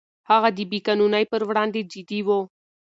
هغه د بې قانونۍ پر وړاندې جدي و.